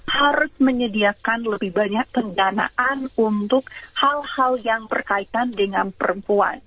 harus menyediakan lebih banyak pendanaan untuk hal hal yang berkaitan dengan perempuan